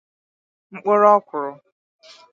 mkpụrụ ọkwụrụ